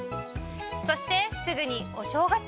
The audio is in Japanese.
そしてすぐにお正月！